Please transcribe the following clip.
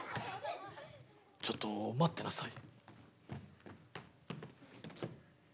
ちょっと待ってなさい。